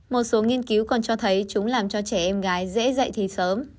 một số nghiên cứu còn cho thấy chúng làm cho trẻ em gái dễ dạy thì sớm